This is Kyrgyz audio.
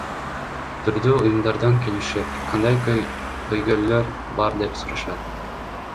Түрдүү уюмдардан келишип, кандай көйгөйлөр бар деп сурашат.